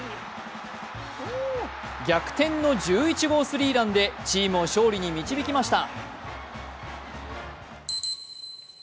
逆転の１１号スリーランでチームを勝利に導きました。